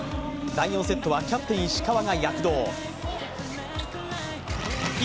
第４セットはキャプテン・石川が躍動。